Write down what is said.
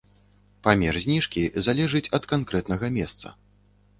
Памер зніжкі залежыць ад канкрэтнага месца.